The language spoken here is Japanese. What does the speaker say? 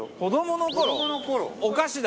お菓子だ！